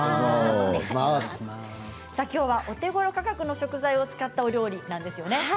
今日はお手ごろ価格の食材を使ったお料理なんですよね。